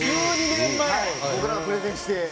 僕らがプレゼンして。